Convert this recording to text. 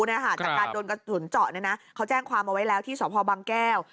จากการโดนกระสุนเจาะเขาแจ้งความเอาไว้แล้วที่สพบังแก้ว